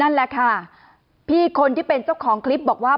นั่นแหละค่ะพี่คนที่เป็นเจ้าของคลิปบอกว่า